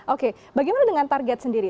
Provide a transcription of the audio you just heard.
oke bagaimana dengan target sendiri